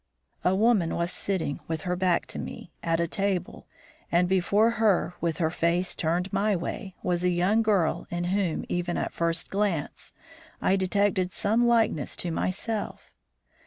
A woman was sitting, with her back to me, at a table, and before her, with her face turned my way, was a young girl in whom, even at first glance, I detected some likeness to myself.